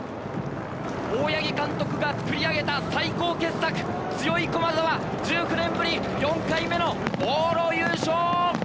大八木監督が作り上げた最高傑作、強い駒澤、１９年ぶり４回目の往路優勝！